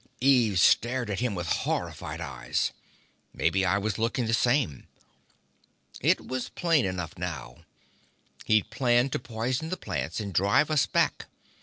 Eve stared at him with horrified eyes. Maybe I was looking the same. It was plain enough now. He'd planned to poison the plants and drive us back.